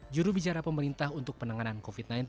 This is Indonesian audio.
juru bicara pemerintah untuk penanganan covid sembilan belas